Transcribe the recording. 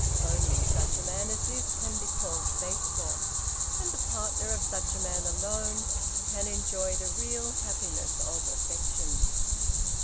Only such a man as this can be called faithful, and the partner of such a man alone can enjoy the real happiness of affection.